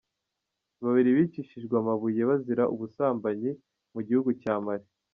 Babiri bicishijwe amabuye bazira ubusambanyi Mugihugu Cya mali